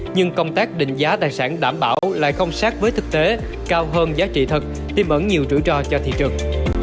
nhưng công tác định giá tài sản đảm bảo lại không sát với thực tế cao hơn giá trị thật tiêm ẩn nhiều rủi ro cho thị trường